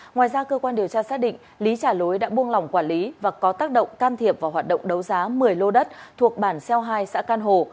ngoài ra cơ quan điều tra xác định lý trả lối đã buông lỏng quản lý và có tác động can thiệp vào hoạt động đấu giá một mươi lô đất thuộc bản xeo hai xã can hồ